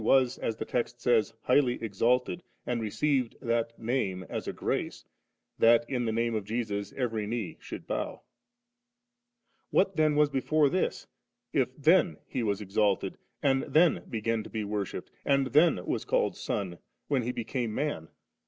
was, as the text says, ' highly exalted,* and received that * Name ' as a grace, ' that in the Name of Jesus every knee should bowV What then was before this, if then He was exalted, and then began to be worshipped, and then was called Son, when He became man?